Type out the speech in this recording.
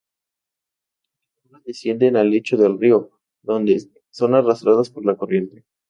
Las bombas descienden al lecho del río, donde son arrastradas por la corriente.